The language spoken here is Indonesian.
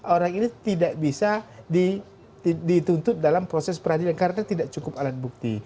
orang ini tidak bisa dituntut dalam proses peradilan karena tidak cukup alat bukti